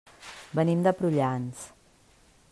Venim de Prullans.